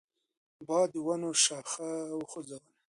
باد د ونو شاخه وخوځوله.